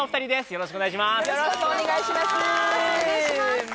よろしくお願いします